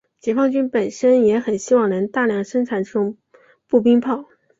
解放军本身也很希望能大量生产这种步兵炮。